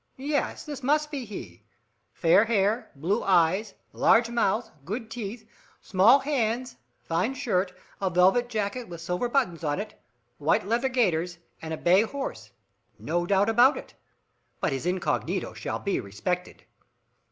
"Yes, this must be he fair hair, blue eyes, large mouth, good teeth, small hands, fine shirt, a velvet jacket with silver buttons on it, white leather gaiters, and a bay horse. Not a doubt about it. But his incognito shall be respected!"